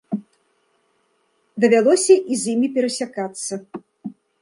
Давялося і з імі перасякацца.